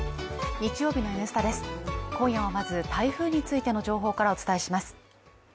今夜はまず台風についての情報からお伝えします。